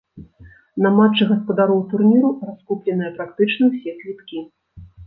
На матчы гаспадароў турніру раскупленыя практычна ўсе квіткі.